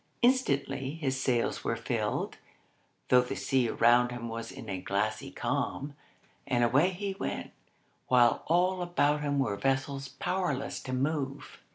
Instantly his sails were filled, though the sea around him was in a glassy calm, and away he went, while all about him were vessels powerless to move.